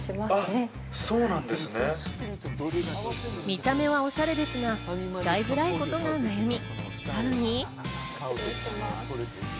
見た目はオシャレですが使いづらいことが悩み。